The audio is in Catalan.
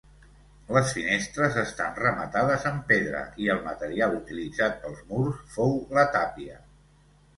Les finestres estan rematades amb pedra i el material utilitzat pels murs fou la tàpia.